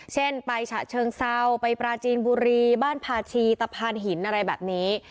เช่นไปฉะเชิงเซาไปปราจีนบุรีบ้านพาชีตะพานหินอะไรแบบนี้